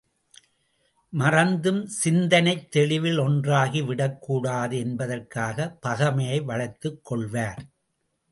மறந்தும் சிந்தனைத் தெளிவில் ஒன்றாகி விடக்கூடாது என்பதற்காகப் பகைமையை வளர்த்துக் கொள்வார்.